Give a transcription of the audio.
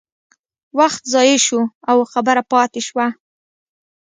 وخت ضایع شو او خبره پاتې شوه.